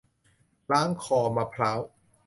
ล้างคอมะพร้าว